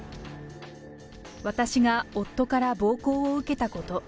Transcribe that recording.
私が夫から暴行を受けたこと。